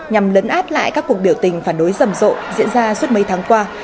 nhằm lấn át lại các cuộc biểu tình phản đối rầm rộ diễn ra suốt mấy tháng qua